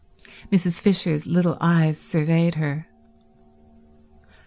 Mrs. Fisher's little eyes surveyed her.